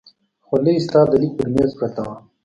خولۍ ستا د لیک پر مېز پرته وه.